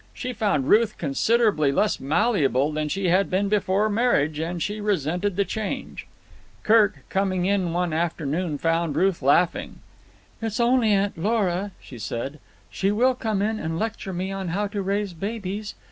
She found Ruth considerably less malleable than she had been before marriage, and she resented the change. Kirk, coming in one afternoon, found Ruth laughing. "It's only Aunt Lora," she said. "She will come in and lecture me on how to raise babies.